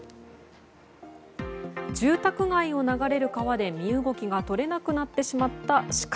住宅街を流れる川で身動きが取れなくなってしまったシカ。